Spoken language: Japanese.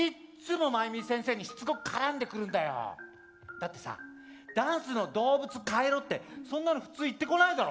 だってさダンスの動物変えろってそんなの普通言ってこないだろ？